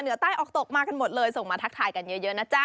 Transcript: ใต้ออกตกมากันหมดเลยส่งมาทักทายกันเยอะนะจ๊ะ